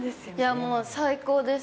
もう最高です。